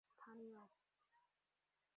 এঁদের মধ্যে উনিশজন হলেন নেতৃস্থানীয়।